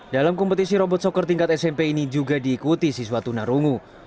dalam kompetisi robot sokor tingkat smp ini juga diikuti siswa tunarungu